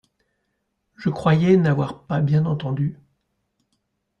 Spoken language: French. Je croyais n'avoir pas bien entendu.